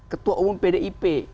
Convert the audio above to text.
ketua umum pdip